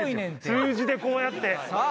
数字でこうやって。